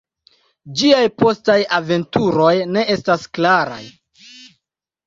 Ĝiaj postaj aventuroj ne estas klaraj.